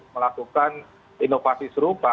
melakukan inovasi serupa